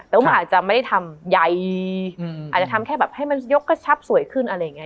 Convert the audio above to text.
แต่ว่ามันอาจจะไม่ได้ทำใหญ่อาจจะทำแค่แบบให้มันยกกระชับสวยขึ้นอะไรอย่างนี้